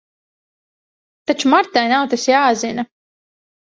Taču Martai nav tas jāzina.